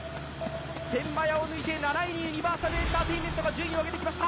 天満屋を抜いて７位にユニバーサルエンターテインメントが順位を上げてきました。